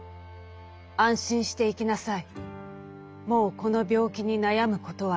安心して行きなさい。